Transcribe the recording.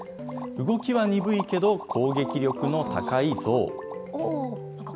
動きは鈍いけど攻撃力の高いゾウ。